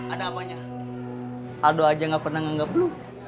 ada apanya aldo aja gak pernah nganggep lo